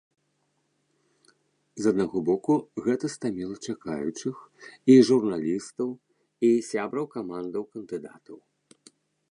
З аднаго боку, гэта стаміла чакаючых, і журналістаў, і сябраў камандаў кандыдатаў.